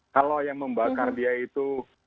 kalau yang membakar dia itu